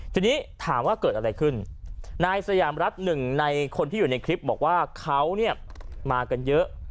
ทีนี้ถามว่าเกิดอะไรขึ้นนายสยามรัฐหนึ่งในคนที่อยู่ในคลิปบอกว่าเขาเนี่ยมากันเยอะ